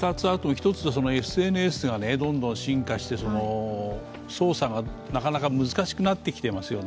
１つはＳＮＳがどんどん進化して、捜査がなかなか難しくなってきていますよね。